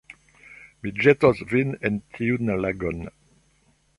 Mi ĵetos vin en tiun lagon